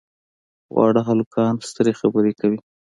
واړه هلکان سترې خبرې کوي.